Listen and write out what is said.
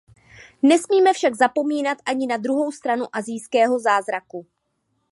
Nesmíme však zapomínat ani na druhou stranu asijského zázraku.